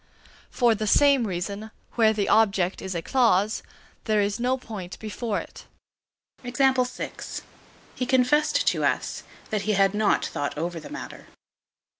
For the same reason, where the object is a clause, there is no point before it. He confessed to us that he had not thought over the matter.